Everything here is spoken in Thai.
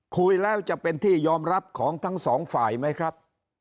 คุยแล้วจะเป็นที่ยอมรับของทั้งสองฝ่ายไหมครับ